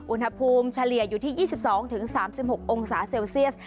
อุณหภูมิเฉลี่ยอยู่ที่๒๒๓๖องศาเซลเซียส